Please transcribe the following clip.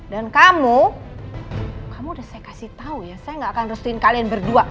kamu kamu udah saya kasih tau ya saya gak akan restuin kalian berdua